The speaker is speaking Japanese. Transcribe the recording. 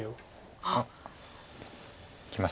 あっきました。